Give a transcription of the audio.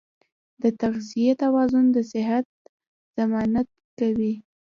د تغذیې توازن د صحت ضمانت دی.